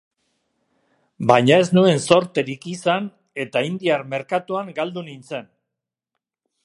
Baina ez nuen zorterik izan eta indiar merkatuan galdu nintzen.